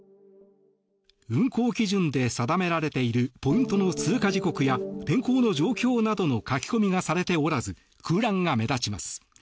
運航基準で定められているポイントの通過時刻や天候の状況などの書き込みがされておらず空欄が目立ちます。